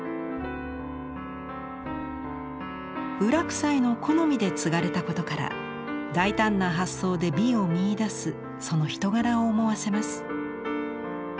有楽斎の好みで継がれたことから大胆な発想で美を見いだすその人柄を思わせます。